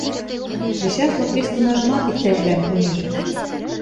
Лишӓшлык вес тунажымат иктӓжӹлӓн пунежӹ